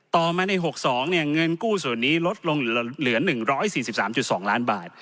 ต่อมาใน๖๒เงินกู้ส่วนนี้ลดลงเหลือ๑๔๓๒ล้านบาท